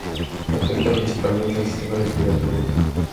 Afecta principalmente al sistema respiratorio.